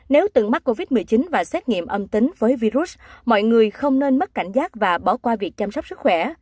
nếu từng mắc covid một mươi chín và xét nghiệm âm tính với virus mọi người không nên mất cảnh giác và bỏ qua việc chăm sóc sức khỏe